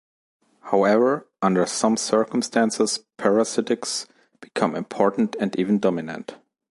However, under some circumstances parasitics become important and even dominant.